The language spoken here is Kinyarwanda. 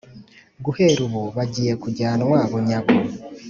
guhera ubu bagiye kujyanwa bunyago,